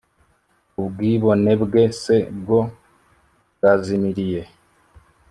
Ubwibone bwe se bwo bwazimiriye he?